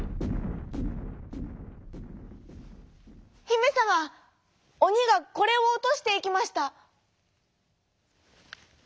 「ひめさまオニがこれをおとしていきました」。